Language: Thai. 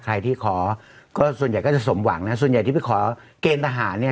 ใครที่ขอก็ส่วนใหญ่ก็จะสมหวังนะส่วนใหญ่ที่ไปขอเกณฑ์ทหารเนี่ย